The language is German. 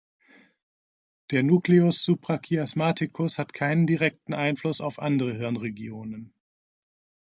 Der Nucleus suprachiasmaticus hat keinen direkten Einfluss auf andere Hirnregionen.